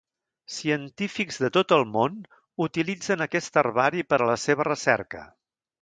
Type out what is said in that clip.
Científics de tot el món utilitzen aquest herbari per a la seva recerca.